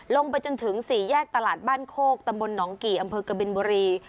ลงไปจนถึงสี่แยกตลาดบ้านโคกตำบลหนองกี่อำเภอกบินบุรี